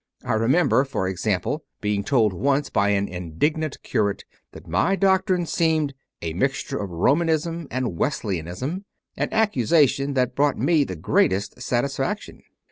I remember, for example, being told once by an indignant curate that my doctrine seemed "a mixture of Romanism and Wesleyanism" an accusation that brought me the greatest satisfaction.